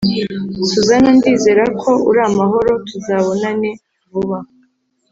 Suzana ndizera ko uramahora tuzabonane vuba